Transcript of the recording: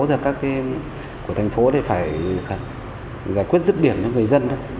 và các cái của thành phố thì phải giải quyết dứt điểm cho người dân